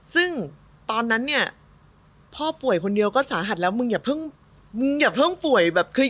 ซึ่งตอนนั้นเนี่ยพ่อป่วยคนเดียวก็สาหัสแล้วมึงอย่าเพิ่งป่วย